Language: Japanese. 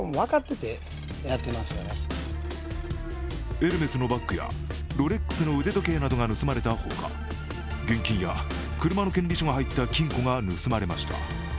エルメスのバッグやロレックスの腕時計などが盗まれたほか現金や車の権利書が入った金庫が盗まれました。